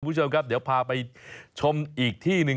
สวัสดีผู้ชมครับเดี๋ยวพาไปชมอีกที่นึง